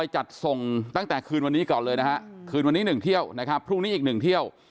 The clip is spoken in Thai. จัดส่งตั้งแต่คืนวันนี้ก่อนเลยนะฮะคืนวันนี้๑เที่ยวนะครับพรุ่งนี้อีก๑เที่ยว